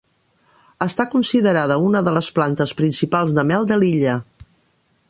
Està considerada una de les plantes principals de mel de l'illa.